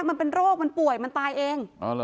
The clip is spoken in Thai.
มันเป็นโรคมันป่วยมันตายเอง